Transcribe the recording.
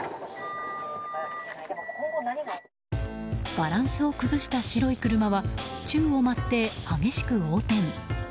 バランスを崩した白い車は宙を舞って激しく横転。